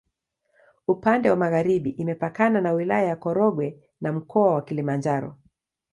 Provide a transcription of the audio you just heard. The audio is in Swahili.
Upande wa magharibi imepakana na Wilaya ya Korogwe na Mkoa wa Kilimanjaro.